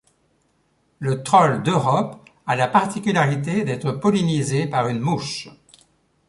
Le Trolle d'Europe a la particularité d'être pollinisée par une mouche.